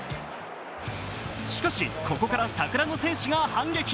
しかし、ここから桜の戦士が反撃。